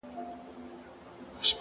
پوهېږې په جنت کي به همداسي ليونی یم ـ